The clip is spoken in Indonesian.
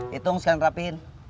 hitung sekalian rapihin